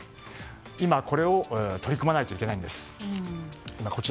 今これを取り組まないといけないんです。